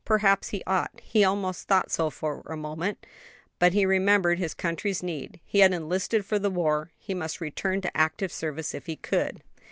Perhaps he ought; he almost thought so for a moment; but he remembered his country's need; he had enlisted for the war; he must return to active service, if he could.